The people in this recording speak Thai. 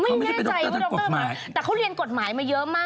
ไม่แน่ใจว่าดรมาแต่เขาเรียนกฎหมายมาเยอะมาก